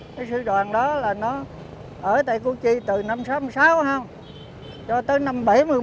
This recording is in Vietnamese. cái sư đoàn đó là nó ở tại củ chi từ năm một nghìn chín trăm sáu mươi sáu đó ha cho tới năm một nghìn chín trăm bảy mươi một